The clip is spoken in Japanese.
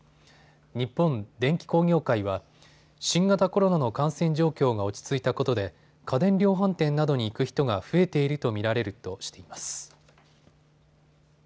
日本電機工業会は新型コロナの感染状況が落ち着いたことで家電量販店などに行く人が増えていると見られるとしています。